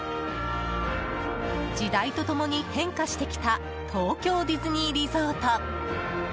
時代と共に変化してきた東京ディズニーリゾート。